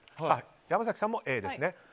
山崎さんもＡですね。